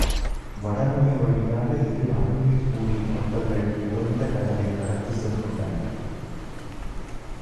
வடமுனை வழியாக இரு அணு நீர் மூழ்கிக் கப்பல்கள் உறைந்த கடலைக் கடந்து சென்றுள்ளன.